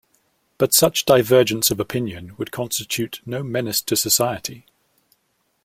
But such divergence of opinion would constitute no menace to society.